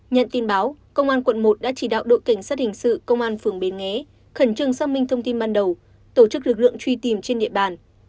nhận tin báo công an quận một đã chỉ đạo đội cảnh sát hình sự công an phường bến nghé khẩn trương xác minh thông tin ban đầu tổ chức lực lượng truy tìm trên địa bàn